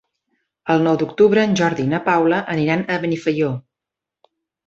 El nou d'octubre en Jordi i na Paula aniran a Benifaió.